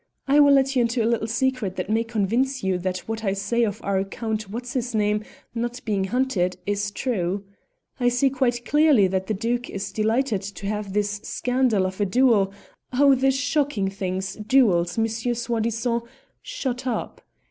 I will let you into a little secret that may convince you that what I say of our Count What's his name not being hunted is true. I see quite clearly that the Duke is delighted to have this scandal of a duel oh! the shocking things, duels, Monsieur Soi disant! shut up.